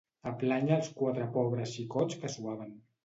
A plànyer els quatre pobres xicots que suaven